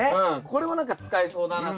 これも何か使えそうだな。